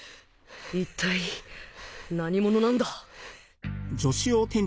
一体何者なんだ？